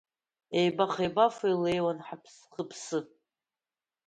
Еибах-еибафо илеиуан Хыԥсы…